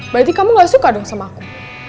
berarti kamu gak suka dong sama aku